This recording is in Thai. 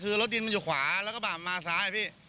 คือรถดินมันอยู่ขวาแล้วก็มาซ้ายพี่